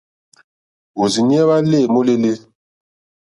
Òrzìɲɛ́ hwá lê môlélí.